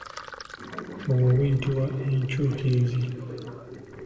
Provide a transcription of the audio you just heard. Obwo buyitibwa enkyukirizi.